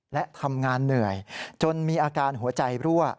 และทำงานเหนื่อยจนมีอาการหัวใจรั่ว